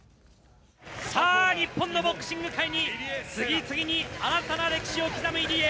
さあ、日本のボクシング界に、次々に新たな歴史を刻む入江。